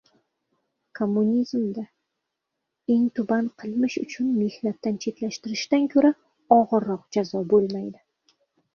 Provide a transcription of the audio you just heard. Kommunizmda eng tuban qilmish uchun mehnatdan chetlashtirishdan ko‘ra og‘irroq jazo bo‘lmaydi.